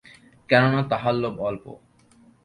কেননা, তাঁহার লোভ অল্প।